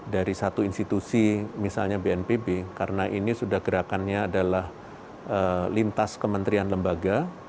dari satu institusi misalnya bnpb karena ini sudah gerakannya adalah lintas kementerian lembaga